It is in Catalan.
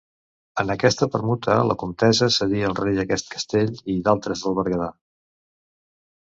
En aquesta permuta la comtessa cedí al rei aquest castell i d'altres del Berguedà.